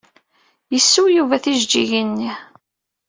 Yessew Yuba tijeǧǧigin-nni.